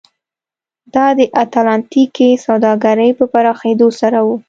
دا د اتلانتیک کې سوداګرۍ په پراخېدو سره و.